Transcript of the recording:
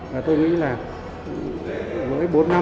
và tôi nghĩ là với bốn năm